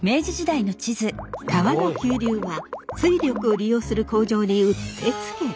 川の急流は水力を利用する工場にうってつけ。